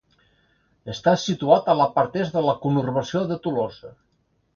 Està situat a la part est de la conurbació de Tolosa.